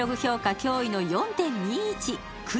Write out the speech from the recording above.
驚異の４．２１くい